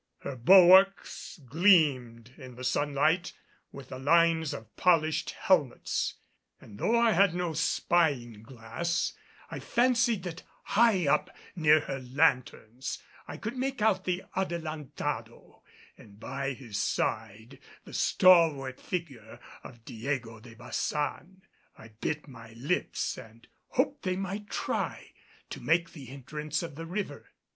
Her bulwarks gleamed in the sunlight with the lines of polished helmets; and though I had no spying glass I fancied that high up near her lanthorns I could make out the Adelantado and by his side the stalwart figure of Diego de Baçan. I bit my lips and hoped they might try to make the entrance of the river.